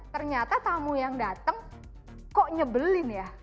ternyata tamu yang datang kok nyebelin ya